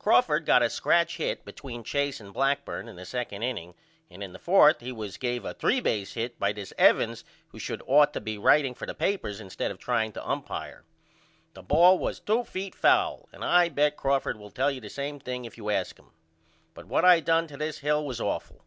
Crawford got a scratch hit between Chase and Blackburne in the 2d inning and in the 4th he was gave a three base hit by this Evans who should ought to he writeing for the papers instead of trying to umpire. The bail was 2 feet foul and I bet Crawford will tell you the same thing if you ask him. But what I done to this Hill was awful.